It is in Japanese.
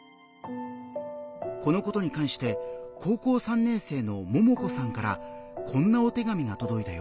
このことに関して高校３年生のももこさんからこんなお手紙がとどいたよ。